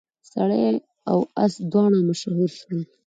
سړی او اس دواړه مشهور شول.